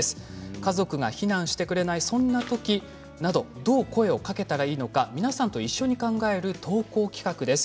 家族が避難してくれないそんなとき、どう声をかけたらいいのか皆さんと一緒に考える投稿企画です。